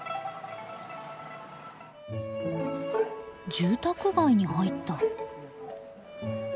住宅街に入った。